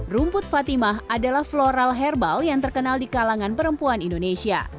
rumput fatima adalah floral herbal yang terkenal di kalangan perempuan indonesia